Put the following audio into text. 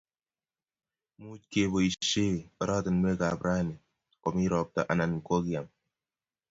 Much keboishee oratinwek ab rani komii ropta anan kokiyam